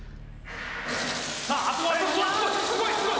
さあすごいすごい！